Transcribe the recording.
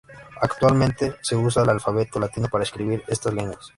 Actualmente se usa el alfabeto latino para escribir estas lenguas.